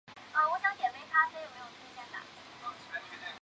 东坝镇是中国四川省南充市南部县的一个镇。